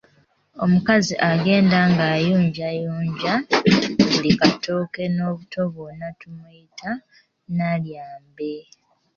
Omukazi agenda ng'ayunjayunja buli katooke n'obuto bwonna tumuyita Nalyambe.